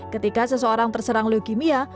ketika seseorang terserang leukemia